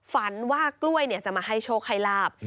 ฝันว่ากล้วยจะมาให้โชคให้ลาบ